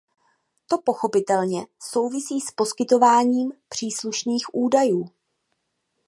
To pochopitelně souvisí s poskytováním příslušných údajů.